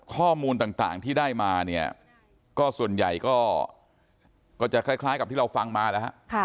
ข้อมูลต่างที่ได้มาเนี่ยก็ส่วนใหญ่ก็จะคล้ายกับที่เราฟังมาแล้วฮะ